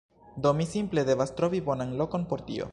Do, mi simple devas trovi bonan lokon por tio